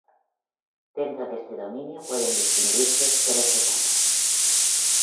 Dentro de este dominio pueden distinguirse tres etapas.